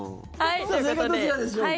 さあ、正解はどちらでしょうか？